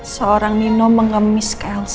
seorang nino mengemis ke elsa